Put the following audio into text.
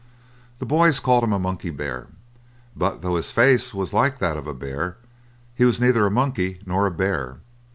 The boys called him a monkey bear, but though his face was like that of a bear he was neither a monkey nor a bear.